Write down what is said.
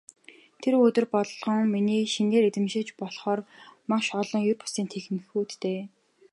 Тэр өдөр болгон миний шинээр эзэмшиж болохоор маш олон ер бусын техникүүдтэй.